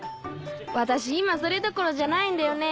私今それどころじゃないんだよね。